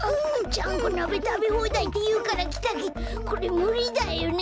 ちゃんこなべたべほうだいっていうからきたけどこれむりだよね。